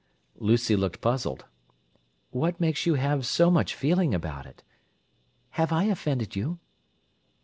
Lucy looked puzzled. "What makes you have so much feeling about it? Have I offended you?"